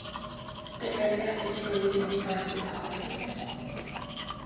The area is hilly and sparsely populated.